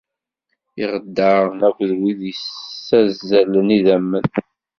Iɣeddaren akked wid yissazzalen idammen.